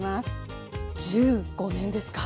１５年ですか。